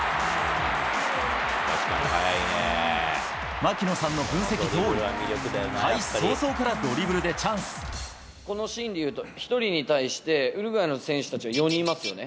槙野さんの分析どおり、このシーンでいうと、１人に対してウルグアイの選手たちは４人いますよね。